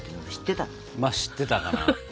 ま知ってたかな。